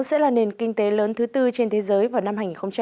sẽ là nền kinh tế lớn thứ tư trên thế giới vào năm hai nghìn ba mươi